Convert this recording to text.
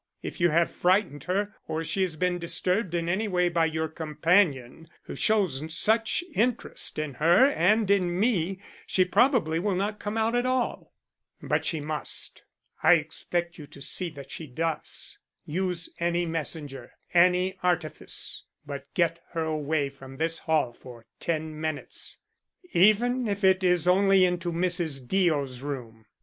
If you have frightened her, or she has been disturbed in any way by your companion who shows such interest in her and in me, she probably will not come out at all." "But she must. I expect you to see that she does. Use any messenger, any artifice, but get her away from this hall for ten minutes, even if it is only into Mrs. Deo's room.